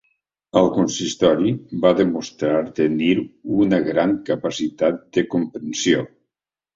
El Consistori va demostrar tenir una gran capacitat de comprensió.